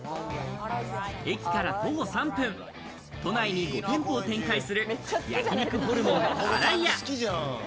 駅から徒歩３分、都内に５店舗を展開する、焼肉ホルモン新井屋。